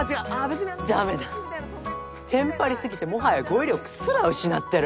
ダメだテンパり過ぎてもはや語彙力すら失ってる。